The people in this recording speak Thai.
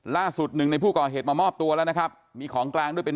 ล่าสุดหนึ่งในผู้ก่อเหตุมามอบตัวแล้วนะครับมีของกลางด้วยเป็น